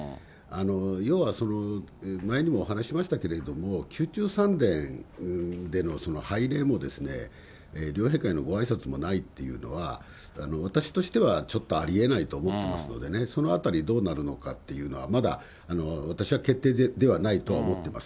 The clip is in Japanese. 要は前にもお話ししましたけれども、宮中三殿での拝礼も両陛下へのごあいさつもないっていうのは、私としてはちょっとありえないと思ってますのでね、そのあたりどうなるのかっていうのは、まだ私は決定ではないとは思ってます。